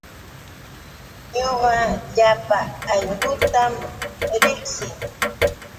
Ñuqa llapa aylluutam riqsii.